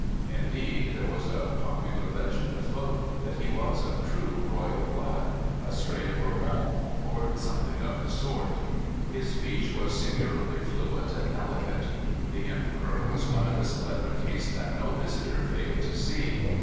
Indeed, there was a popular legend afloat that he was of true royal blood — a stray Bourbon, or something of the sort. His speech was singularly fluent and elegant. The Emperor was one of the celebrities that no visitor failed to see.